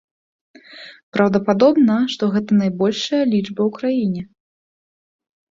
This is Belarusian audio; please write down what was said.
Праўдападобна, што гэта найбольшая лічба ў краіне.